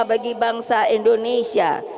bagi bangsa indonesia